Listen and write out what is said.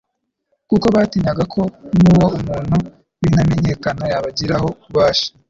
kuko batinyaga ko nwo muntu w'intamenyekana yabagiraho ububasha.